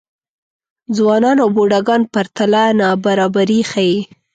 ځوانان او بوډاګان پرتله نابرابري ښيي.